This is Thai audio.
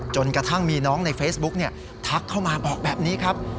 จนกระทั่งมีน้องในเฟซบุ๊กทักเข้ามาบอกแบบนี้ครับ